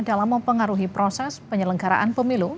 dalam mempengaruhi proses penyelenggaraan pemilu